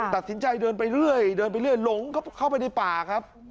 ตัดสินใจเดินไปเรื่อยหลงเข้าไปในป่าครับ